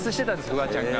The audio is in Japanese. フワちゃんが。